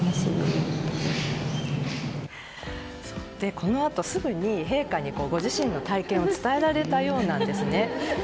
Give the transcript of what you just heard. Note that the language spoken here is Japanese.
このあとすぐ陛下にご自身の体験を伝えられたようなんですね。